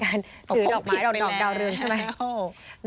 ถือดอกไม้ดอกดาวเรืองใช่ไหม